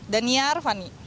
dan niar fani